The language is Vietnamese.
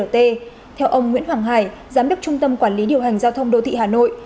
theo ông nguyễn hoàng hải giám đốc trung tâm quản lý điều hành giao thông đô thị hà nội